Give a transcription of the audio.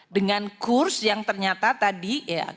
dengan kurs yang ternyata tadi